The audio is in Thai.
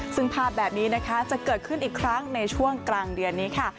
ซึ่งภาพแบบนี้นะคะจะเกิดขึ้นอีกครั้งในช่วงกลางเดือนนี้ค่ะ